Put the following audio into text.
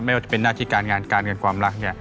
ไม่ว่าจะเป็นหน้าที่การงานการกันความรัก